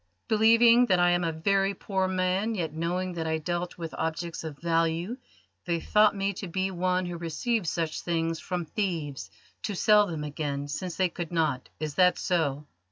"Believing that I am a very poor man, yet knowing that I dealt with objects of value, they thought me to be one who receives such things from thieves to sell them again, since they could not. Is that so?"